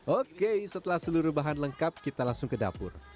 oke setelah seluruh bahan lengkap kita langsung ke dapur